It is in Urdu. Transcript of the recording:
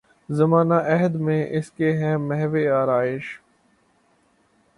زمانہ عہد میں اس کے ہے محو آرایش